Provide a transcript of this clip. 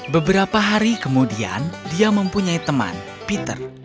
beberapa hari kemudian dia mempunyai teman peter